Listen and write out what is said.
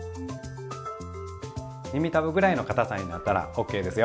耳たぶぐらいのかたさになったらＯＫですよ。